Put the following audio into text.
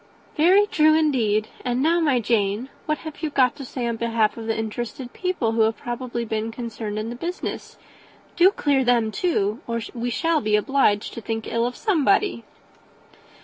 "Very true, indeed; and now, my dear Jane, what have you got to say in behalf of the interested people who have probably been concerned in the business? Do clear them, too, or we shall be obliged to think ill of somebody."